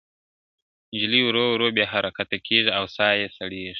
نجلۍ ورو ورو بې حرکته کيږي او ساه يې سړېږي.